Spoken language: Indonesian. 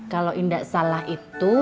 kalau indah salah itu